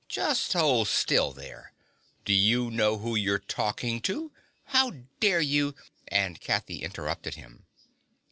"Just hold still there! Do you know who you're talking to? How dare you " And Kathy interrupted him.